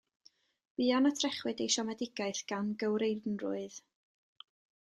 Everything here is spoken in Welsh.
Buan y trechwyd ei siomedigaeth gan gywreinrwydd.